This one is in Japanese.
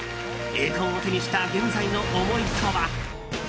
栄冠を手にした現在の思いとは。